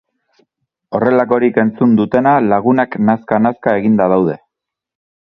Horrelakorik entzun dutena lagunak nazka-nazka eginda daude.